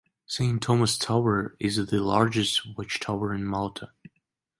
Saint Thomas Tower is the largest watchtower in Malta.